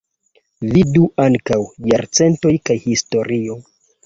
Vidu ankaŭ: Jarcentoj kaj Historio.